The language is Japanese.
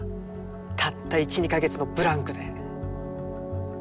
たった１２か月のブランクで。